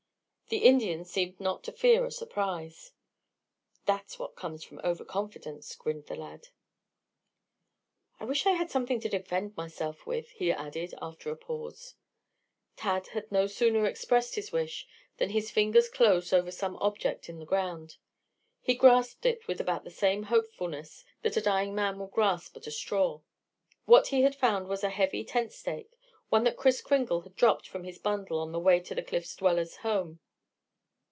The Indian seemed not to fear a surprise. "That's what comes from overconfidence," grinned the lad. "I wish I had something to defend myself with," he added after a pause. Tad had no sooner expressed his wish, than his fingers closed over some object on the ground. He grasped it with about the same hopefulness that a dying man will grasp at a straw. What he had found was a heavy tent stake, one that Kris Kringle had dropped from his bundle on the way to the cliff dweller's home.